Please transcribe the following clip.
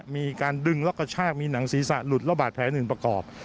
มีการดึงแล้วก็ชากมีหนังศีรษะหลุดและบาดแผลหนึ่งประกอบ